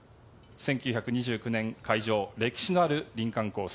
１９２９年開場歴史のある林間コース